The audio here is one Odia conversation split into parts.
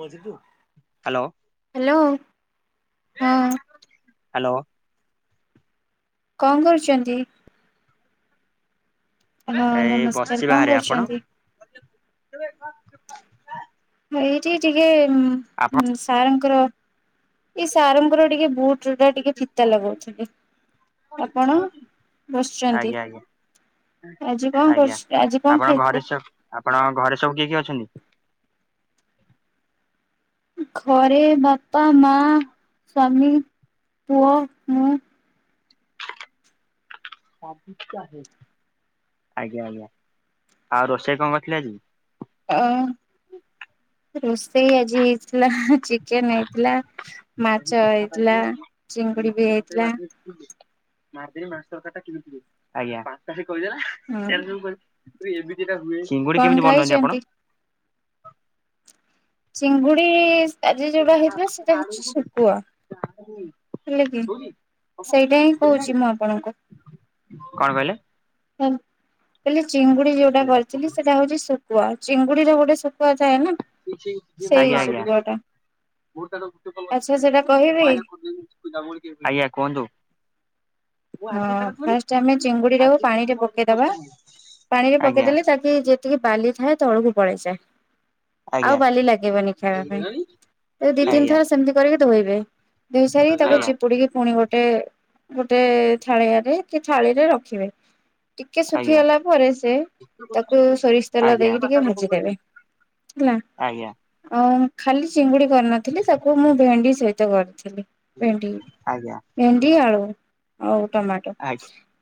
ହ୍ୟାଲୋ। ହ୍ୟାଲୋ ହଁ ହ୍ୟାଲୋ। କଣ କରୁଛନ୍ତି? ହଁ ଏଇ ନମସ୍କାର କଣ କରୁଛନ୍ତି? କିଏ ବେ ଆଁ ତୁ ଏଇଠି ଟିକେ ଆପଣ ସାରଙ୍କର ଏଇ ସାରଙ୍କର ଟିକେ ଭୋଟର୍ କାର୍ଡ ଟିକେ ଫିତା ଲଗଉଛନ୍ତି। ଆପଣ ବସିଛନ୍ତି? ଆଜ୍ଞା ଆଜ୍ଞା ଆଜି କଣ କରିଛୁ ଆଜି କଣ ଖାଇଥିଲେ? ଆପଣ ଘରେ ସବୁ କିଏ କିଏ ଅଛନ୍ତି? ଘରେ ବାପା ମା ସ୍ଵାମୀ ପୁଅ ମୁଁ। ଆଜ୍ଞା ଆଜ୍ଞା ଆଉ ରୋଷେଇ କଣ କରିଥିଲେ ଆଜି? ଉଁ ରୋଷେଇ ଆଜି ହେଇଥିଲା ଚି କେନ୍ ହେଇଥିଲା ମାଛ ହେଇଥିଲା ଚିଙ୍ଗୁଡି ବି ହେଇଥିଲା। ଆଜ୍ଞା। ଏମିତି ତ ହୁଏଇ ହୁଁ ଚିଙ୍ଗୁଡି କେମିତି ବନାନ୍ତି କଣ ଖାଇଛନ୍ତି? ଆପଣ? ଚିଙ୍ଗୁଡ଼ି ଆଜି ଯୋଉଟା ହେଇଥିଲା ସେଇଟା ହେଉଛି ଶୁଖୁଆ। କାହା ପାଇଁ କି? ହେଲେ କି ସେଇଟା ହିଁ କହୁଛି ମୁଁ ଆପଣଙ୍କୁ। କଣ କହିଲେ? କାଲି ଚିଙ୍ଗୁଡି ଯୋଉଟା କରିଥିଲି ସେଟା ହଉଛି ଶୁ କୁୁଆ ଚିଙ୍ଗୁଡିର ଗୋଟେ ଶୁକୁୁଆ ଥାଏ ନା। ସେଇ ଆଜ୍ଞା ଆଜ୍ଞା। ଆଜ୍ଞା ଶୁଖୁଆ ଟା ଆଚ୍ଛା ସେଇଟା କହିବି କୁହନ୍ତୁ। ହଁ ଫାଷ୍ଟ୍ ଆମେ ଚିଙ୍ଗୁଡି ଟାକୁ ପାଣିରେ ପକେଇଦବା ପାଣିରେ ଆଜ୍ଞା ପକେଇଦେଲେ ତା ଯେତିକି ବାଲି ଥାଏ ତଳକୁ ପଳେଇଯାଏ। ଆଉ ଆଜ୍ଞା। ବାଲି ଲାଗିବନି ଖାଇବା ପାଇଁ ତ ଦି ତିନି ଆଜ୍ଞା ଆଜ୍ଞା ଥର ସେମତି କରିକି ଧୋଇବେ। ଧୋଇସାରିକି ତାକୁ ଚିପୁଡିକି ପୁଣି ଗୋଟେ ଗୋଟେ ଛାଳିଆରେ କି ଥାଳିରେ ରଖିବେ। ଟିକେ ଆଜ୍ଞା ଶୁଖିଗଲା ପରେ ସେ ତାକୁ ସୋରିଷ ତେଲ ଆଜ୍ଞା ଦେଇକି ଟିକେ ଭାଜିଦେବେ। ହେଲା। ଆଜ୍ଞା। ଆଉ ଖାଲି ଚିଙ୍ଗୁଡି କରିନଥିଲି ତାକୁ ମୁଁ ଭେଣ୍ଡି ସହିତ କରିଥିଲି। ଭେଣ୍ଡି ଭେଣ୍ଡିି ଆଳୁ ଆଉ ଟମାଟୋ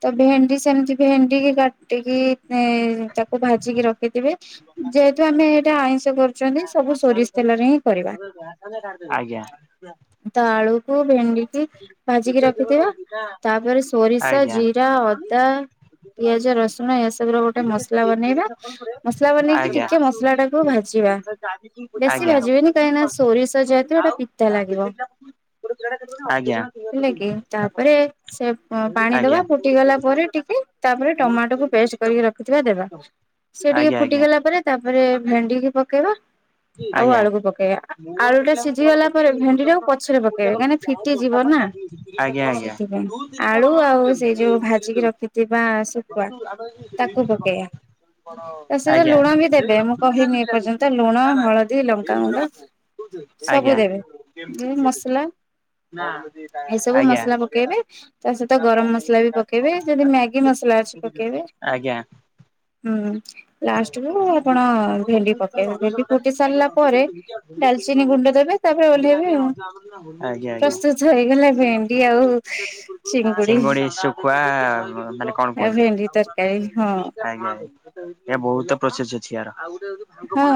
ତ ଭେଣ୍ଡି ସେମିତି ଭେଣ୍ଡିକି କାଟିକି ଏଁ ହୁଁ ତାକୁ ଭାଜିକି ରଖିଥିବେ। ଯେହେତୁ ଆମେ ଏଇଟା ଆଇଁଷ କରୁଛନ୍ତି ସବୁ ସୋରିଷ ତେଲରେ ହିଁ କରିବା। ଆଜ୍ଞା। ତ ଆଳୁକୁ ଭେଣ୍ଡିକି ଭାଜିକି ରଖିଥିବା ତାପରେ ସୋରିଷ ଜିରା ଆଜ୍ଞା। ଅଦା ପିଆଜ ରସୁଣ ଏ ସବୁର ଗୋଟେ ମସଲା ବନେଇବା ମସଲା ବନେଇକି ଟିକେ ମସଲା ଟାକୁ ଭାଜିବା। ଭାଜିକି? ବେଶୀ ଭାଜିବେନି କାହିଁକିନା ସୋରିଷ ଭଜା ହେଇଥିବ ଏଇଟା ପିତା ଲାଗିବ। ଆଜ୍ଞା ହେଲା କିି ତାପରେ ସେ ଉଁ ଆଜ୍ଞା। ଆଜ୍ଞା ପାଣି ଆଜ୍ଞା ଆଜ୍ଞା ଦବା ଫୁଟି ଗଲା ପରେ ଟିକେ ତାପରେ ଟମାଟୋକୁୁ ପେଷ୍ଟ୍ କରିକି ରଖିଥିବା ଦେବା। ସେ ଟିକେ ଫୁଟିଗଲା ପରେ ତାପରେ ଭେଣ୍ଡିିକୁ ପକେଇବା ଆଉ ଆଳୁକୁ ପକେଇବା ଆଳୁଟା ସିଝି ଗଲା ପରେ ଭେଣ୍ଡି ଟାକୁ ପଛରେ ପ କେଇବେ କାହିଁକି ନା ଫିଟି ଯିବ ନା ସେଥିପାଇଁ। ଆଳୁ ଆଉ ସେଇ ଯୋଉ ଭାଜିକି ରଖିଥିବା ଶୁଖୁଆ ତାକୁ ପକେଇଆ। ତା ସହିତ ଲୁଣ ବି ଦେବେ ମୁଁ କହିନି ଏପର୍ଯ୍ୟନ୍ତ ଲୁଣ ହଳଦୀ ଲଙ୍କାଗୁଣ୍ଡ ସବୁ ଦେବେ ଏ ମସଲା ଏଇସବୁ ଆଜ୍ଞା। ଆଜ୍ଞା ମସଲା ପକେଇବେ ତା ସହିତ ଗରମ ମସଲା ବି ପକେଇବେ ଯଦି ମ୍ୟାଗି ମସଲା ଅଛି ପକେଇବେ। ଆଜ୍ଞା ହୁଁ। ଲାଷ୍ଟ୍ କୁ ଆପଣ ଭେଣ୍ଡି ପକେଇବେ ଭେଣ୍ଡି ଫୁଟି ସାରିଲା ପରେ ଡାଲଚିନି ଗୁଣ୍ଡ ଦେବେ। ତାପରେ ଓହ୍ଲେଇବେ ଆଉ ଆଜ୍ଞା ଆଜ୍ଞା। ପ୍ରସ୍ତୁତ ହେଇଗଲା ଭେଣ୍ଡି ଆଉ ଚିଙ୍ଗୁଡି ଶୁଖୁଆ ମାନେ କଣ ଆଉ କୁହନ୍ତି ଭେଣ୍ଡି ତରକାରୀ ହଁ ଆଜ୍ଞା ଆଜ୍ଞା। ଏ ବହୁତ ପ୍ରୋସେସ ଅଛି ୟାର। ହଁ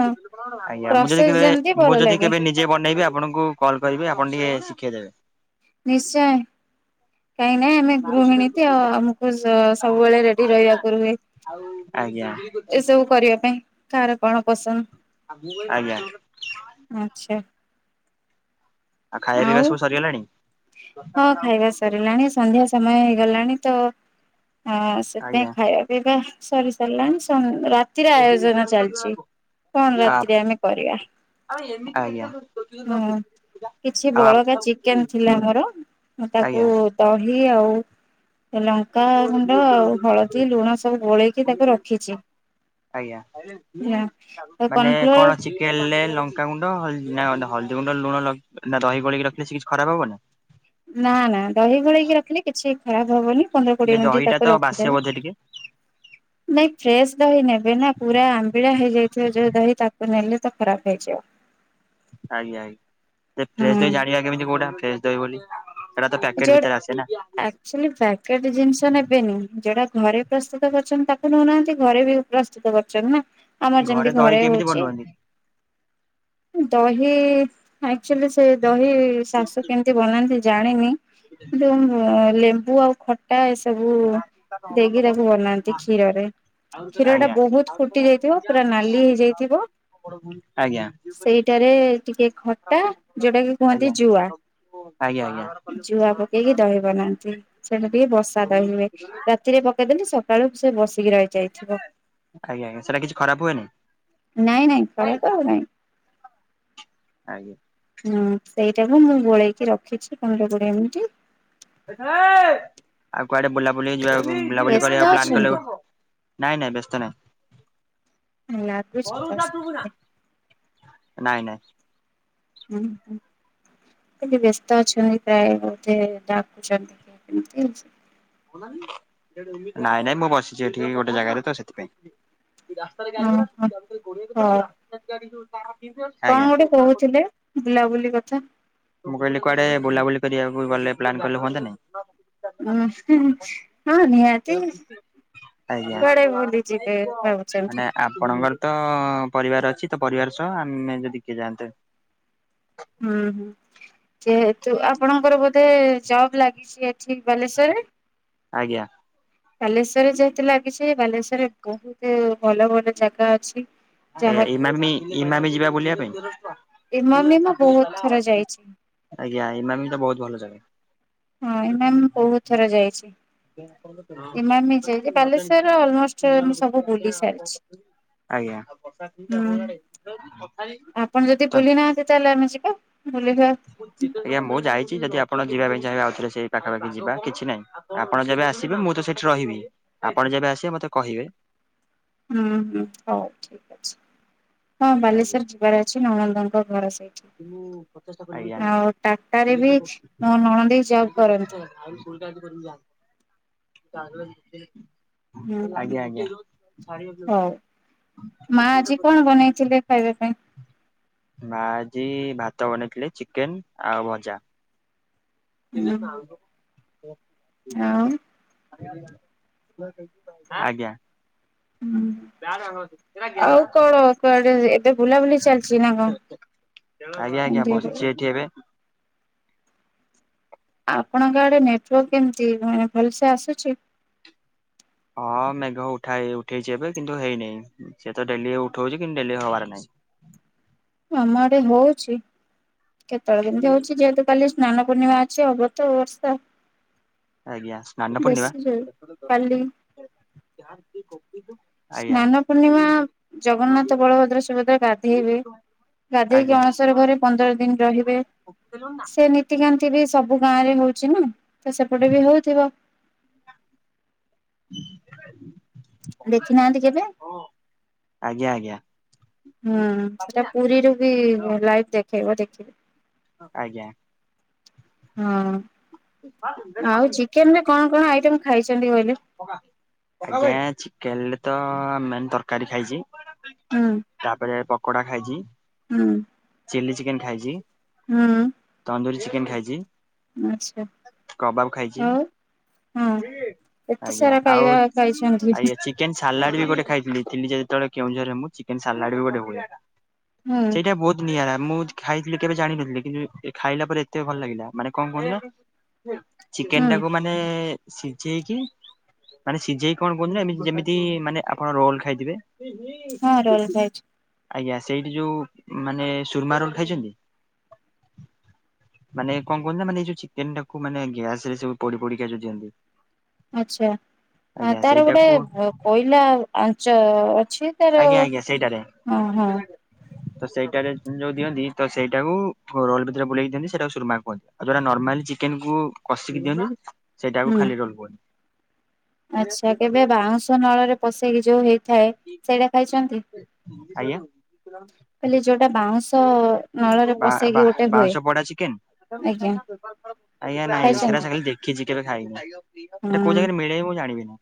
ଆଜ୍ଞା ମୁଁ ଯଦି ପ୍ରସେସ କେବେ ଯେମିତି ଭଲ ମୁଁ ଯଦି ଲାଗେ କେବେ ନି ଯେ ବନେଇବି ଆପଣଙ୍କୁ କଲ୍ କରିବି ଆପଣ ଟିକେ ଶିଖେଇ ଦେବେ। ନିଶ୍ଚୟ। କାହିଁ ନାଇଁ ଆମେ ଗୃହିଣୀ ଟି ଆଉ ଆମକୁ ସ ସବୁବେଳେ ରେଡି ରହିବାକୁ ରୁହେ। ଆଜ୍ଞା। ଏସବୁ କରିବା ପାଇଁ କାହାର କଣ ପସନ୍ଦ। ଆଜ୍ଞା। ଆଚ୍ଛା। ଆଉ ଖାଇଆ ହେରିକା ସବୁ ସରିଗଲାଣି? ହଁ ଖାଇବା ସରିଲାଣି ସନ୍ଧ୍ୟା ସମୟ ହେଇଗଲାଣି ତ ଅ ସେଥିପାଇଁ ଆଜ୍ଞା ଖାଇଆ [unintelligible] ସରି ସାରିଲାଣି ସ ରାତିର ଆୟୋଜନ ଚାଲିଚି। କଣ ଆ ରାତିରେ ଆମେ କରିବା ଆଜ୍ଞା। ହୁଁ। କିଛି ଆଉ ଆପ ବଳକା ଚିକେନ ଥିଲା ମୋର ମୁଁ ତାକୁ ଆଜ୍ଞା ଦହି ଆଉ ହେଲ କା ଗୁଣ୍ଡ ହଳଦୀ ଲୁଣ ସବୁ ଗୋଳେଇକି ତାକୁ ରଖିଚି। ଆଜ୍ଞା ତ ମାନେ କର୍ଣଫ୍ଲୋର କଣ ଚି କେଲେ ଲଙ୍କାଗୁଣ୍ଡ ହ ହଳଦୀ ଗୁଣ୍ଡ ଲୁଣ ନା ଦହି ଗୋଳେଇ କି ରଖିଲେ ସେ କିଛି ଖରାପ ହବନି? ନା ନା ଦହି ଗୋଳେଇକି ରଖିଲେ କିଛି ଖରାପ ହବନି ପନ୍ଦର ଯେ କୋଡିଏ ମିନିଟ୍ ଦହିଟା ତ ତାକୁ ବାସେ ରଖିଦେବେ। ବୋଧେ ଟିକେ ନାଇଁ ଫ୍ରେଶ ଦହି ନେ ବିନା ପୁରା ଆମ୍ବିଳା ହେଇଯାଇଥିବ ଯୋଉ ଦହି ତାକୁ ନେଲେ ତ ଖରାପ ହେଇଯିବ। ଆଜ୍ଞା ଆଜ୍ଞା ହୁଁ ଫ୍ରେଶ ଦହି ଜାଣିବା କେମିତି କୋଉଟା ଫ୍ରେଶ ଦହି ବୋଲି। ସେଟା ତ ପ୍ୟାକେଟ ଭିତରେ ଆସେ ନା। ଚଲି ପ୍ୟାକେଟ ଜିନିଷ ନେବେନି ଯୋଉଟା ଘରେ ପ୍ରସ୍ତୁତ କରୁଛନ୍ତି ତାକୁ ନେଉନାହାନ୍ତି ଘରେ ବି ପ୍ରସ୍ତୁତ କରୁଛନ୍ତି ନା ଆମର ଯେମିତି ଦହି ଘରେ କେମିତି ହଉଚି। ବନୁଅନ୍ତି? ଦହି ଆକ୍ଚୁଆଲି ସେ ଦହି ଶାଶୁ କେମିତି ବନାନ୍ତି ଜାଣିନି। ଯୋଉ ଲେମ୍ବୁ ଆଉ ଖ ଟା ଏସବୁ ଦେଇକି ତାକୁ ବନାନ୍ତି କ୍ଷୀରରେ। ଆଜ୍ଞା। କ୍ଷୀର ଟା ଆଜ୍ଞା ବହୁତ ଫୁଟି ଯାଇଥିବ ଆଜ୍ଞା ପୁରା ନାଲି ହେଇଯାଇଥିବ। ଆଜ୍ଞା। ସେଇଟାରେ ଟିକେ ଖଟା ଯୋଉଟା କି କୁହନ୍ତି ଜୁଆ। ଆଜ୍ଞା ଆଜ୍ଞା। ଜୁଆ ପକେଇକି ଦହିି ବନାନ୍ତି ସେମତି ବସା ଦହି ହୁଏ। ରାତିରେ ପକେଇଦେଲେ ସକାଳୁ ସେ ବସିକି ରହିଯାଇ। ଥିବ ଆଜ୍ଞା ସେଟା କିଛି ଖରାପ ହୁଏନି ନାଇଁ ନାଇଁ ଖରା କ ନାଇଁ। ଆଜ୍ଞା। ହଁ ସେଇଟାକୁ ମୁଁ ଗୋଳେଇକି ରଖିଛି ପନ୍ଦର କୋଡିଏ ମିନିଟି। ଆଉ କୁଆଡେ ବୁଲାବୁଲି ଯିବା ବୁଲାବୁଲି ବ୍ୟସ୍ତ କରିବା ପ୍ଲାନ୍ କଲେ। ଅଛନ୍ତି। ନାଇଁ ନାଇଁ ବ୍ୟସ୍ତ ଲାଗୁଛି ନାଇଁ। ତ ସେଥିପାଇଁ ନାଇଁ ନାଇଁ। ହୁଁ ହୁଁ। ଲି ବ୍ୟସ୍ତ ଅଛନ୍ତି ପ୍ରାୟ ବୋଧେ ଡାକୁଛନ୍ତି କି କେମିତି ନାଇଁ ନାଇଁ ମୁଁ ବସିଛି ଏଠି ଗୋଟେ ଜାଗାରେ ତ ସେଥିପାଇଁ। ଓହୋ ହଉ [unintelligible] କଣ ଗୋଟେ କହୁଥିଲେ ବୁଲାବୁଲି କଥା। ମୁଁ କହିଲି କୁଆଡେ ବୁଲାବୁଲି କରିବାକୁ ଗଲେ ପ୍ଲାନ୍ କଲେ ହୁଅନ୍ତାନି। ହୁଁ। ହୁଁ ହଁ ନିହାତି ଆଜ୍ଞା। କୁଆଡେ ବୁଲି ଯିବେ ମାନେ ଭାବୁଛନ୍ତି। ଆପଣଙ୍କର ତ ପରିବାର ଅଛି ତ ପରିବାର ସହ ଆମେ ଯଦି କିଏ ଯାଆନ୍ତେ। ହୁଁ ହୁଁ। ଯେହେତୁ ଆପଣଙ୍କର ବୋଧେ ଜବ୍ ଲାଗିଛି ଏଠି ବାଲେଶ୍ଵରରେ। ଆଜ୍ଞା। ବାଲେଶ୍ଵରରେ ଯେତେ ଲାଗିଛି ବାଲେଶ୍ଵରରେ ବହୁତ ଭଲ ଭଲ ଜାଗା ଅଛି। ଆଜ୍ଞା ଯାହାକି ଇମାମି ଇମାମି ଯିବା ବୁଲିବା ପାଇଁ। ଇମାମି ମୁଁ ବହୁତ ଥର ଯାଇଛି। ଆଜ୍ଞା ଇମାମି ତ ବହୁତ ଭଲ ଜାଗା। ହଁ ଇମାମି ମୁଁ ବହୁତ ଥର ଯାଇଛି। ହଁ ଇମାମି ଯାଇକି ବାଲେଶ୍ଵର ଅଲମୋଷ୍ଟ ନଜାଣିକି ମୁଁ ନୂଆଲୋକ ସବୁ ଯାଇକି ବୁଲି କିଆଁ କଣ ସାରିଛି। କରୁଥିଲୁକି। [inaudible] ଆଜ୍ଞା। ହୁଁ ଆପଣ ଯଦି ତ ବୁଲି ନାହାନ୍ତି ତାହେଲେ ଆମେ ଯିବା ବୁଲିିଯିବା। ଆଜ୍ଞା ମୁଁ ଯାଇଛି ଯଦି ଆପଣ ଯିବା ପାଇଁ ଚାହିଁବେ ଆଉଥରେ ସେଇ ପାଖାପାଖି ଯିବା କିଛି ନାହିଁ। ଆପଣ ଯେବେ ଆସିବେ ମୁଁ ତ ସେଠି ରହିବି ଆପଣ ଯେବେ ଆସିବେ ମତେ କହିବେ। ହୁଁ ହୁଁ ହଉ ଠିକ ଅଛି ହଁ ଆଜ୍ଞା। ବାଲେଶ୍ଵର ଯିବାର ଅଛି ନନନ୍ଦଙ୍କ ଘର ସେଇଠି। ଆଉ ଟାଟାରେ ବି ମୋ ନଣଦେଇ ଜବ୍ ଆଜ୍ଞା। କରନ୍ତି [inaudible] ହୁଁ ହୁଁ ଆଜ୍ଞା ଆଜ୍ଞା। ହଉ। ମା ଆଜି କଣ ବନେଇଥିଲେ ଖାଇବା ପାଇଁ? ମା ଆଜି ଭାତ ବନେଇଥିଲେ ଚିକେନ ଆଉ ଭଜା। ହୁଁ [unintelligible] ଆଉ। ଆଜ୍ଞା। ହୁଁ ଆଉ କଣ କୁଆଡେ ଏବେ ବୁଲାବୁଲି ଚାଲିଛି ନା ଆଜ୍ଞା ଆଜ୍ଞା କଣ। ବସିଛି ଏଠି ଏବେ। ଆପଣଙ୍କ ଆଡେ ନେଟୱାର୍କ କେମିତି ମାନେ ଭଲସେ ଆସୁଛି। ହଁ ମେଘ ଉଠାଏ ଉଠେଇଛି ଏବେ କିନ୍ତୁ ହେଇନେଇ ସେ ତ ଡେଲି ଉଠଉଛି କିନ୍ତୁ ଡେଲି ହବାର ନାହିଁ। ଆମ ଆଡେ ହଉଛି କେତେବେଳେ କେମିତି ହଉଛି ଯେହେତୁ କାଲି ସ୍ନାନ ପୂର୍ଣ୍ଣିମା ଅଛି ହବ ତ ବର୍ଷା। ଆଜ୍ଞା ସ୍ନାନ ବେଶୀ ପୂର୍ଣ୍ଣିମା। ଜୋରେ। କାଲି ଆଜ୍ଞା ସ୍ନାନ ପୂର୍ଣ୍ଣିମା ଜଗନ୍ନାଥ ବଳଭଦ୍ର ସୁଭଦ୍ରା ଗାଧେଇବେ। ଗାଧେଇକି ଆଜ୍ଞା। ଅଣସର ଘରେ ପନ୍ଦର ଦିନ ରହିବେ ସେନି ନିତିକାନ୍ତି ବି ସବୁ ଗାଁ ରେ ହଉଛି ନା ତ ସେପଟେ ବି ହଉଥିବ। [inaudible] ଦେଖି ନାହାନ୍ତି କେବେ? ଆଜ୍ଞା ଆଜ୍ଞା। ହୁଁ ସେଟା ପୁରୀରୁ ବି ଲାଇଭ ଦେଖେଇବ ଦେଖିବେ। ଆଜ୍ଞା। ହଁ ଆଉ ଚିକେନ ରେ କଣ କଣ ଆଇଟମ ଖାଇଛନ୍ତି କହିଲେ? ଆଞା ଚିକେନରେ ତ ମେନ୍ ତରକାରୀ ଖାଇଛି। ହୁଁ। ତାପରେ ପକୋଡା ଖାଇଛି। ହୁଁ। ଚିଲ୍ଲି ଚିକେନ ଖାଇଛି। ହୁଁ। ତନ୍ଦୁରରିୀ ଚିକେନ ଖାଇଛି। ଆଛା କବାବ ଖାଇଛି ଆଉ ହଁ। ଏତେ ଆଜ୍ଞା ସାରା ଆଉ ଖାଇବା ଖାଇଛନ୍ତି। ଆଜ୍ଞା ଚିକେନ ସାଲାଡ ବି ଗୋଟ ଖାଇଥିଲି ଯେତେବେଳେ କେଉଁଝରରେ ମୁଁ ଚିକେନ ସାଲାଡ ବି ଗୋଟେ ହୁଏ। ହୁଁ ସେଇଟା ବହୁତ ନିଆଁରା ମୁଁ ଖାଇଥିଲି କେବେ ଜାଣିିନଥିଲି କିନ୍ତୁ ଏ ଏ ଖାଇଲା ପରେ ଏତେ ଭଲ ଲାଗିଲା ମାନେ କଣ କହିଲ ହୁଁ ଚିକେନଟାକୁ ମାନେ ସିଜେଇକି ମାନେ ସିଜେଇ କଣ କୁହନ୍ତି ନା ଏମତି ଯେମିତି ମାନେ ଆପଣ ରୋଲ ଖାଇଥିବେ ହଁ ରୋଲ ଖାଇଛି। ଆଜ୍ଞା ସେଇଠି ଯୋଉ ମାନେ ସୁରମା ରୋଲ ଖାଇଚନ୍ତି? ମାନେ କଣ କୁହନ୍ତି ନା ମାନେ ଏଇ ଯୋଉ ଚିକେନ ଟାକୁୁ ମାନେ ଗ୍ୟାସରେ ସବୁ ପୋଡି ପୋଡିକି ଯୋଉ ଦିଅନ୍ତି। ଆଚ୍ଛା। ଆ ଆଜ୍ଞା ତାର ଗୋଟେ ସେଇଟାକୁ କୋଇଲା ଆଞ୍ଚ ଅଛି। ତାର ରେ ହଁ ତ ସେଇଟାରେ ଯୋଉ ଦିଅନ୍ତି ତ ସେଇଟାକୁ ରୋଲ ଭିତରେ ବୁଲେଇ ଦିଅନ୍ତି ସେଇଟାକୁ ସୁରୁମା କୁହନ୍ତି। ଆଉ ଯୋଉଟା ନର୍ମାଲି ଚିକେନକୁ କଷିକି ଦିଅନ୍ତୁ। ସେଇଟାକୁ ହୁଁ ଖାଲି ରୋଲ କୁହନ୍ତି। ଆଚ୍ଛା କେବେ ବାଉଁଶ ନଳରେ ପଶେଇକି ଯୋଉ ହେଇଥାଏ ସେଇଟା ଖାଇଚନ୍ତି? ଆଜ୍ଞା। ଯୋଉଟା ବାଉଁଶ ନଳରେ ପଶେଇକି ବା-ବାହା ଗୋଟେ ହୁଏ ବାଉଁଶ ପୋଡା ଚିକେନ। ଆଜ୍ଞା ଆଜ୍ଞା ନାଇଁ ସେରା ଖାଇଛନ୍ତି? ସେ ଖାଲି ଦେଖିଚି କେବେ ଖାଇନି। ହେଟା କୋଉ ଜା ହୁଁ ମିଳେ ମୁଁ ଜଣିବିନି।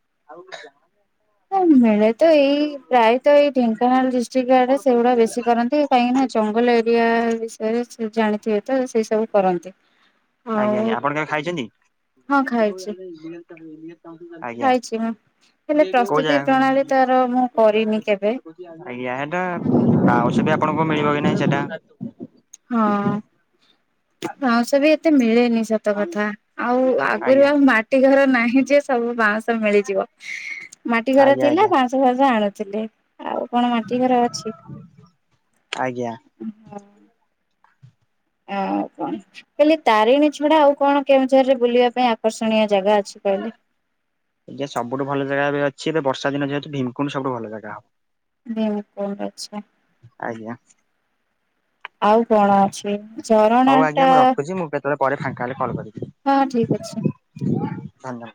ମିଳେ ତ ଏଇ ପ୍ରାୟତ ଏଇ ଢେଙ୍କାନାଳ ଡିଷ୍ଟ୍ରିକ ଆଡେ ସେଗୁଡା ବେଶୀ କରନ୍ତି। କାହିଁକି ନା ଜଙ୍ଗଲ ଏରିଆ ବିଷୟରେ ସେ ଜାଣିଥିବେ ତ ସେଇ ସବୁ କରନ୍ତି। ଆଜ୍ଞା ଆଉ ଆଜ୍ଞ ଆପଣ କେବେ ଖାଇଚନ୍ତି? ହଁ ଆଜ୍ଞା। ମୁଁ ଖାଇଛି ଜାଣି ଆଜ୍ଞା ଖାଇଛି ମୁଁ ହେଲେ ପ୍ରସ୍ତୁତି ପ୍ରଣାଳୀ ତାର ମୁଁ କରିନି କେବେ ହେଟା ହୁଁ। ଆଉ ସେଠି ଆପ ଣଙ୍କୁ ମିଳିବ କି ନାଇଁ ସେଟା। ହଁ ବାଉଁସରେ ଏତେ ମିଳେନି ସ ତ କଥା ଆଉ ଆଜ୍ଞା ଆଗରୁ ଆଜ୍ଞା ଆଉ ମାଟି ଘର ନାହିଁ ଯେ ସବୁ ବାଉଁଶ ମିଳିଯିବ। ମାଟି ଘର ଥିଲା ଆଜ୍ଞା ବା ଉଁଶ ଫାଉଁଶ ଆଣୁଥିଲେ ଆଉ କଣ ମାଟି ଘର ଅଛି। ଆଜ୍ଞା। ଉଁ ହଁ। ଆଉ କଣ ମୁଁ କହିଲି ତାରିଣୀ ଛଡା ଆଉ କଣ କେଉଁଝରେ ବୁଲିବା ପାଇଁ ଆକର୍ଷଣୀୟ ଜାଗା ଅଛି କହିଲେ? ଆଜ୍ଞା ସବୁଠୁ ଭଲ ଜାଗା ଏବେ ଅଛି। ଏବେ ବର୍ଷା ଦିନ ଯେହେତୁ ଭିମକୁଣ୍ଡ ସବୁଠ ଭଲ ଜାଗା ହବ। ଭିମକୁଣ୍ଡ ଅଛି। ଆଜ୍ଞା। ଆଉ କଣ ଅଛି ଝରଣା ହଉ ଆଜ୍ଞା ଟା ମୁଁ ରଖୁଛି ମୁଁ କେତେବେଳେ ପରେ ହଁ ଠିକ୍ ଅଛି। ଧନ୍ୟ